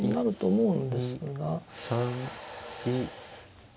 うん。